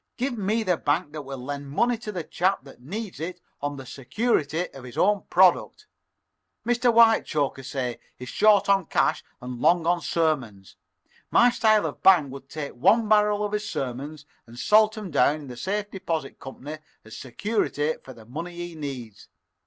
Give me the bank that will lend money to the chap that needs it on the security of his own product. Mr. Whitechoker, say, is short on cash and long on sermons. My style of bank would take one barrel of his sermons and salt 'em down in the safe deposit company as security for the money he needs.